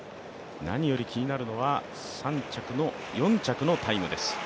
何より気になるのは４着のタイムです。